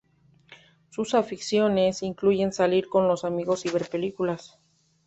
Sus aficiones incluyen salir con los amigos y ver películas.